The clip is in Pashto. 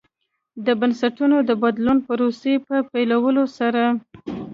د بنسټونو د بدلون پروسې په پیلولو سره.